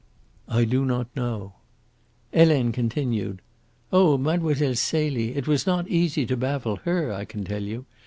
"I do not know," Helene continued: "Oh, Mlle. Celie it was not easy to baffle her, I can tell you.